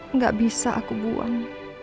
nggak bisa aku buang